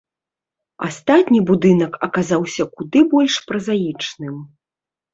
Астатні будынак аказаўся куды больш празаічным.